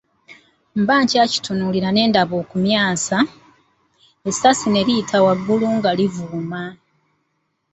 Mba nkyakitunuulira ne ndaba okumyansa, essasi ne liyita waggulu nga livuuma.